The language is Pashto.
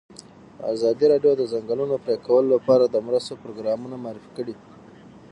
ازادي راډیو د د ځنګلونو پرېکول لپاره د مرستو پروګرامونه معرفي کړي.